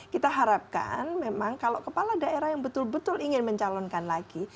kita harapkan memang kalau kepala daerah yang betul betul ingin mencalonkan lagi